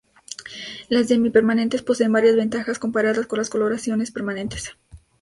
Las demi-permanentes poseen varias ventajas comparadas con las coloraciones permanentes.